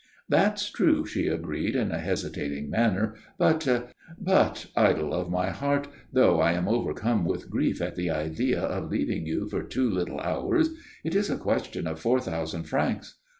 "That's true," she agreed, in a hesitating manner. "But " "But, idol of my heart, though I am overcome with grief at the idea of leaving you for two little hours, it is a question of four thousand francs.